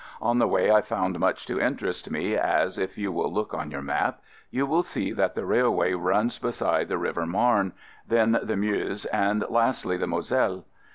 On the way I found much to interest me, as (if you will look on your map) you will see that the railway runs beside the River Marne, then the Meuse, and lastly the Moselle.